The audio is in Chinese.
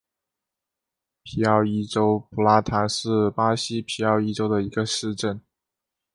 皮奥伊州普拉塔是巴西皮奥伊州的一个市镇。